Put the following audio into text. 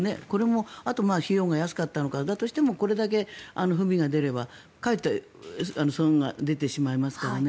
あとは費用が安かったとしてもこれだけ不備が出れば、かえって損害が出てしまいますけどね。